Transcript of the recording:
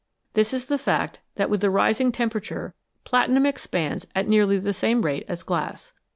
This is the fact that with rising tem perature platinum expands at nearly the same rate as glass.